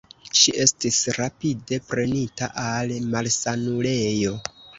Ŝi estis rapide prenita al malsanulejo.